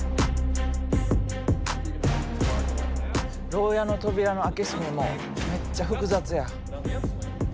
牢屋の扉の開け閉めもめっちゃ複雑や。